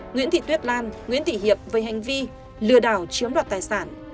nguyễn thị tuyết lan nguyễn thị hiệp về hành vi lừa đảo chiếm đoạt tài sản